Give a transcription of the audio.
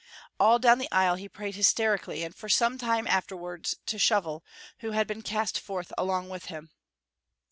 All down the aisle he prayed hysterically, and for some time afterwards, to Shovel, who had been cast forth along with him.